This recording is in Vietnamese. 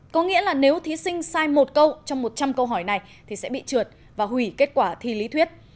có nghĩa là nếu thí sinh sai một câu trong một trăm linh câu hỏi này thì sẽ bị trượt và hủy kết quả thi lý thuyết